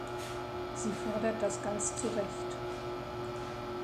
Sie fordert das ganz zu Recht.